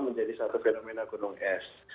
menjadi satu fenomena gunung es